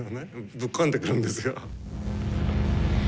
ぶっ込んでくるんですよ。